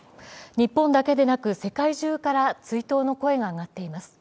日本だけでなく、世界中から追悼の声が上がっています。